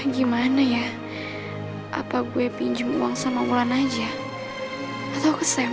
gimana ya apa gue pinjam uang sama ulan aja atau kesemu